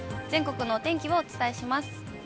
全国のお天気をお伝えします。